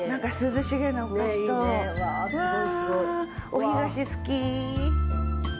お干菓子好き。